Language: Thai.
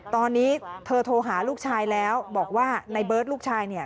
ตอนนี้เธอโทรหาลูกชายแล้วบอกว่าในเบิร์ตลูกชายเนี่ย